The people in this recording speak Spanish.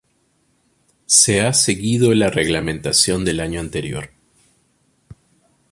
Se ha seguido la reglamentación del año anterior.